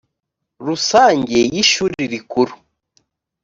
rusange y ishuri rikuru